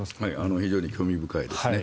非常に興味深いですね。